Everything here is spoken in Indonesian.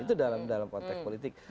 itu dalam konteks politik